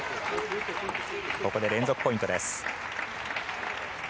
ここで連続ポイントです。